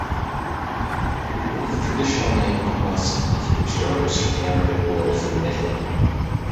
It bore the traditional name "Wasat", which derives from the Arabic word for "middle".